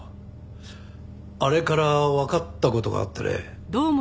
あれからわかった事があってね。